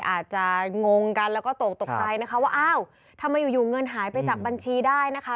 อาจจะงงกันแล้วก็ตกตกใจนะคะว่าอ้าวทำไมอยู่อยู่เงินหายไปจากบัญชีได้นะคะ